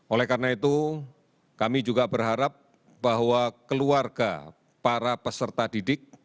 oleh karena itu kami juga berharap bahwa keluarga para peserta didik